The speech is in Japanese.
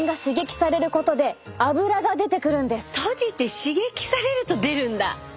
閉じて刺激されると出るんだ。